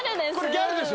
ギャルです